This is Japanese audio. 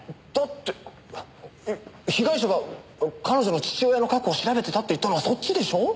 だって被害者が彼女の父親の過去を調べてたって言ったのはそっちでしょ？